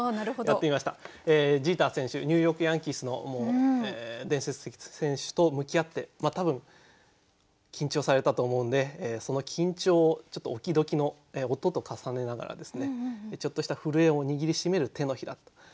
ジーター選手ニューヨーク・ヤンキースの伝説的選手と向き合って多分緊張されたと思うんでその緊張をオキドキの音と重ねながらですねちょっとした震えを握り締める手のひらと。